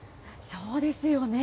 そうですよね。